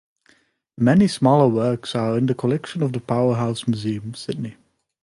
Many smaller works are in the collection of the Powerhouse Museum, Sydney.